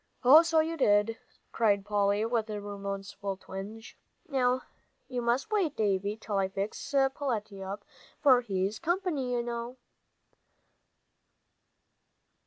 "Oh, so you did," cried Polly, with a remorseful twinge. "Now you must wait, Davie, till I fix Peletiah up, for he's company, you know."